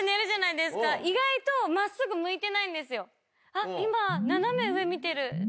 「あっ今」。